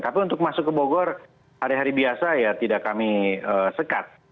tapi untuk masuk ke bogor hari hari biasa ya tidak kami sekat